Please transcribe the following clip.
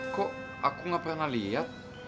kok aku gak pernah lihat